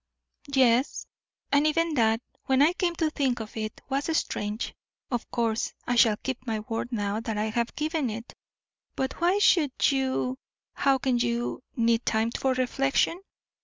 "Yes: and even that, when I came to think of it, was strange. Of course I shall keep my word now that I have given it. But why should you, how can you, need time for reflection?